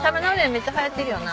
めっちゃ流行ってるよな。